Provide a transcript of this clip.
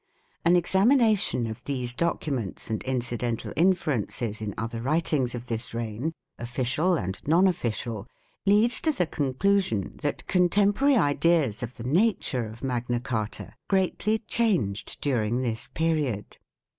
An examination of these documents and incidental in ferences in other writings of this reign, official and non official, leads to the conclusion that contemporary ideas of the nature of Magna Carta greatly changed during this period.